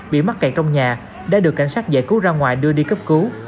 bị mắc kẹt trong nhà đã được cảnh sát giải cứu ra ngoài đưa đi cấp cứu